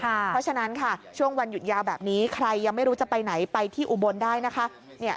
เพราะฉะนั้นค่ะช่วงวันหยุดยาวแบบนี้ใครยังไม่รู้จะไปไหนไปที่อุบลได้นะคะ